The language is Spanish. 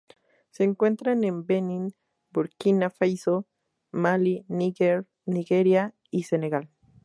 Se encuentran en Benín, Burkina Faso, Malí, Níger, Nigeria, y Senegal.